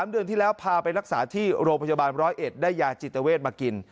เดือนที่แล้วพาไปรักษาที่โรงพยาบาล๑๐๑ได้ยาจิตเวทมากิน